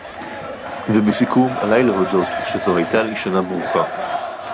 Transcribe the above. ובסיכום עליי להודות שזו הייתה לי שנה ברוכה